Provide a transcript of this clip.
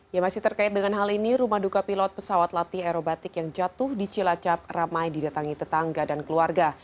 ya masih terkait dengan hal ini rumah duka pilot pesawat latih aerobatik yang jatuh di cilacap ramai didatangi tetangga dan keluarga